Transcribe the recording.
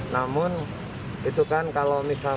namun itu kan kalau misalnya